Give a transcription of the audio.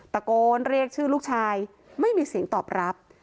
ตะโกนเรียกชื่อลูกชายไม่มีเสียงตอบรับ